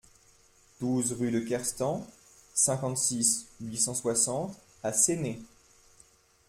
douze rue de Kerstang, cinquante-six, huit cent soixante à Séné